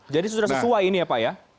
jadi sudah sesuai ini ya pak ya